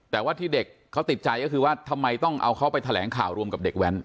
แต่ว่าที่เด็กเขาติดใจก็คือว่าทำไมต้องเอาเขาไปแถลงข่าวรวมกับเด็กแว้น